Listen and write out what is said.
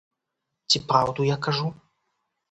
Ці праўду я кажу?